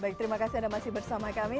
baik terima kasih anda masih bersama kami